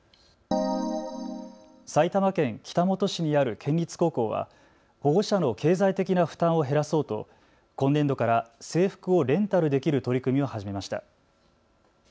埼玉県北本市にある県立高校は保護者の経済的な負担を減らそうと今年度から制服をレンタルできる取り組みを始めました。